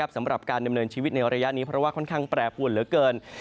สำหรับการดำเนินชีวิตในระยะนี้เพราะว่าค่อนข้างแปรปวนเหลือเกิน